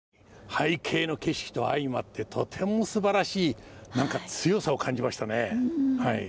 背景の景色と相まってとてもすばらしい何か強さを感じましたねはい。